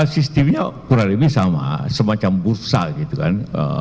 sistemnya ukuran ini sama semacam bursa gitu kan